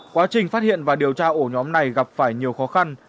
quá trình phát hiện và điều tra ổ nhóm này gặp phải nhiều khó khăn